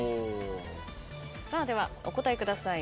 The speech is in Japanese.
さあではお答えください。